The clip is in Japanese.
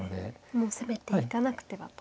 もう攻めていかなくてはと。